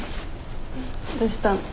どうしたの？